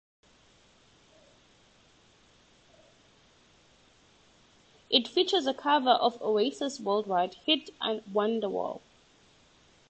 It features a cover of Oasis' worldwide hit "Wonderwall".